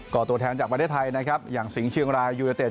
ก่อตัวแทนจากประเทศไทยนะครับอย่างสิงห์ชิงห์ชิงรายยูยาเต็ด